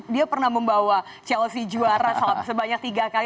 dia pernah membawa chelsea juara sebanyak tiga kali